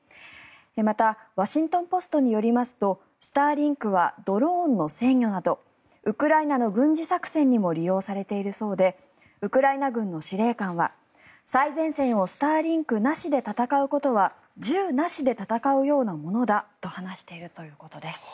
またワシントン・ポストによりますとスターリンクはドローンの制御などウクライナの軍事作戦にも利用されているそうでウクライナ軍の司令官は最前線をスターリンクなしで戦うことは銃なしで戦うようなものだと話しているということです。